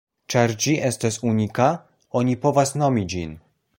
Ĉar ĝi estas unika, oni povas nomi ĝin.